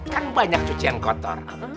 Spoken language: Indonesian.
kan banyak cucian kotor